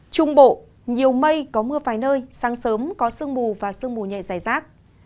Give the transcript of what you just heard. trung bộ nhiều mây có mưa vài nơi sáng sớm có sương mù và sương mù nhẹ dài rác